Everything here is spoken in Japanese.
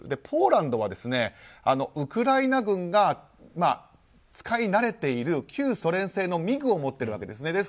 ポーランドはウクライナ軍が使い慣れている旧ソ連製のミグを持っているわけですね。